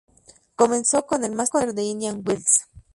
Comenzó en el Masters de Indian Wells.